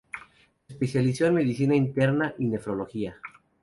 Se especializó en Medicina Interna y Nefrología.